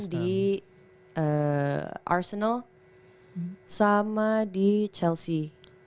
di arsenal sama di chelsea